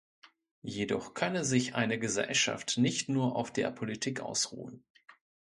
Jedoch könne sich eine Gesellschaft nicht nur auf der Politik ausruhen.